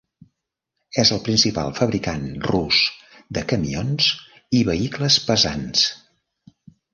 És el principal fabricant rus de camions i vehicles pesants.